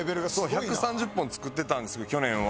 １３０本作ってたんです去年は。